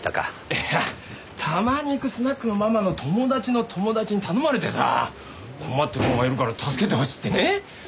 いやたまに行くスナックのママの友達の友達に頼まれてさ困ってる子がいるから助けてほしいってね。